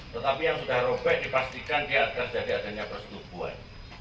tetapi yang sudah robek dipastikan di atas dari adanya persetubuhan